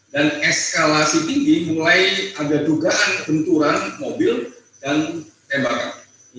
dan eskalasi tinggi mulai ada dugaan benturan mobil dan tembakan